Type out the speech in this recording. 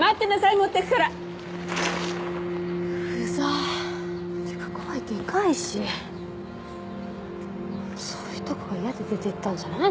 持ってくからウザってか声でかいしそういうとこが嫌で出てったんじゃないの？